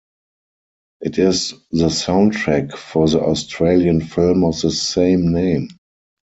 It is the soundtrack for the Australian film of the same name.